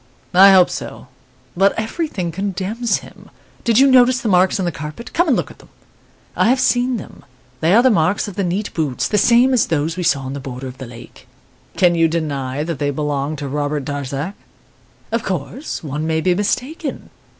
I hope so; but everything condemns him. Did you notice the marks on the carpet? Come and look at them.' "'I have seen them; they are the marks of the neat boots, the same as those we saw on the border of the lake.' "'Can you deny that they belong to Robert Darzac?' "'Of course, one may be mistaken.